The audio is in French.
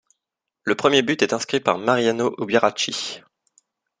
Le premier but est inscrit par Mariano Ubiracy.